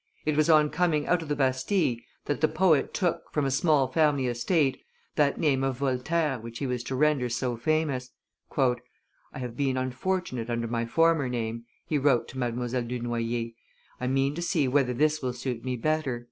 It was on coming out of the Bastille that the poet took, from a small family estate, that name of Voltaire which he was to render so famous. "I have been too unfortunate under my former name," he wrote to Mdlle. du Noy er; "I mean to see whether this will suit me better."